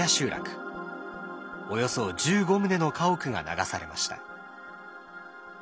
およそ１５棟の家屋が流されました。